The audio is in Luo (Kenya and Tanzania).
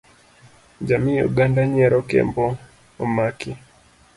Jamii oganda nyiero Kembo omaki.